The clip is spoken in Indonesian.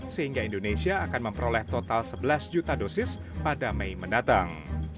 sehingga indonesia akan memperoleh total sebelas juta dosis pada mei mendatang